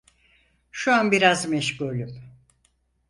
Şu an biraz meşgulüm.